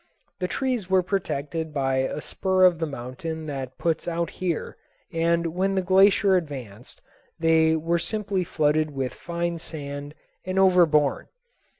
The trees were protected by a spur of the mountain that puts out here, and when the glacier advanced they were simply flooded with fine sand and overborne.